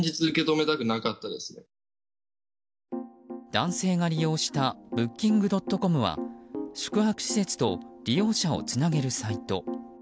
男性が利用したＢｏｏｋｉｎｇ．ｃｏｍは宿泊施設と利用者をつなげるサイト。